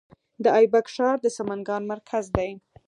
د ایبک ښار د سمنګان مرکز دی